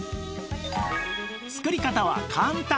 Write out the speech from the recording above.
作り方は簡単！